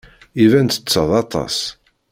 Iban ttetteḍ aṭas.